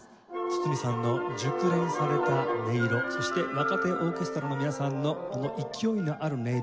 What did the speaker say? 堤さんの熟練された音色そして若手オーケストラの皆さんの勢いのある音色。